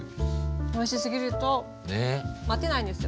おいしすぎると待てないんですよ。